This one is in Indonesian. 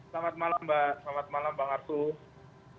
selamat malam mbak selamat malam bang arsul